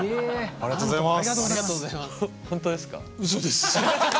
ありがとうございます。